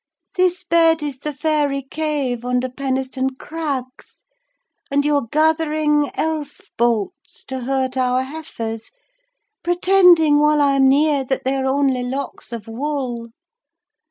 This bed is the fairy cave under Penistone Crags, and you are gathering elf bolts to hurt our heifers; pretending, while I am near, that they are only locks of wool.